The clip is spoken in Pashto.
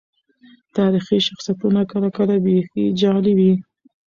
تاريخي شخصيتونه کله کله بيخي جعلي وي.